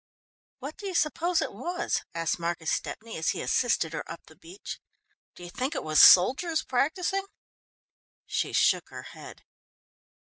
"What do you suppose it was?" asked Marcus Stepney as he assisted her up the beach. "Do you think it was soldiers practising?" She shook her head.